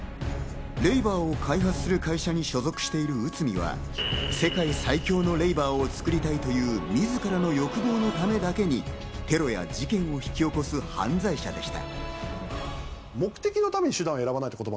レイバーを開発する会社に所属している内海は世界最強のレイバーを作りたいというみずからの欲望のためだけに、テロや事件を引き起こす犯罪者でした。